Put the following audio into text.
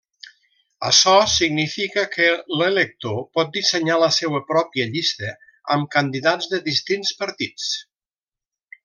Açò significa que l'elector pot dissenyar la seua pròpia llista amb candidats de distints partits.